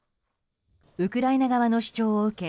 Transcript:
ウクライナ側の主張を受け